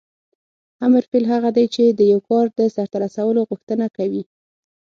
امر فعل هغه دی چې د یو کار د سرته رسولو غوښتنه کوي.